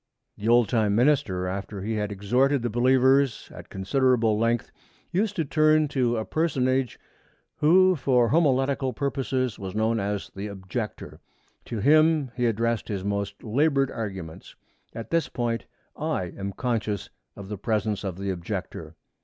The old time minister, after he had exhorted the believers at considerable length, used to turn to a personage who for homiletical purposes was known as the Objector. To him he addressed his most labored arguments. At this point I am conscious of the presence of the Objector.